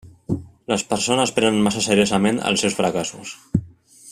Les persones prenen massa seriosament els seus fracassos.